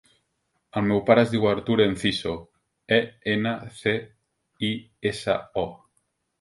El meu pare es diu Artur Enciso: e, ena, ce, i, essa, o.